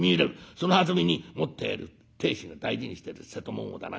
そのはずみに持っている亭主が大事にしてる瀬戸物をだな